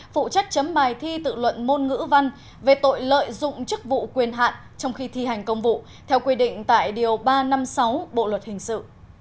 phụ chất chấm bài thi tự luận môn ngữ văn về tội lợi dụng chức vụ quyền hạn trong khi thi hành công vụ theo quy định tại điều ba trăm năm mươi sáu bộ luật hình sự